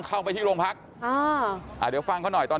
เอามันลงมาขอโทษจบเลยให้มันลงมาขอโทษ